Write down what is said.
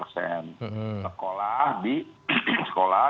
sekolah di sekolah